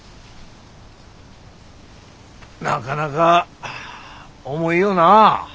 なかなか重いよな。